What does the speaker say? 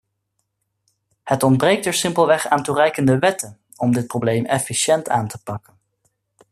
Het ontbreekt er simpelweg aan toereikende wetten om dit probleem efficiënt aan te pakken.